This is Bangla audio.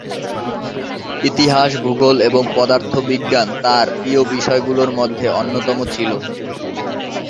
ইতিহাস, ভূগোল এবং পদার্থবিজ্ঞান তার প্রিয় বিষয়গুলোর মধ্যে অন্যতম ছিল।